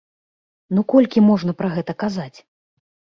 Ну колькі можна пра гэта казаць.